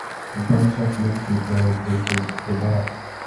a bunch of young people drinking at a bar.